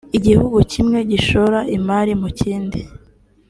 igihugu kimwe gishora imari mu kindi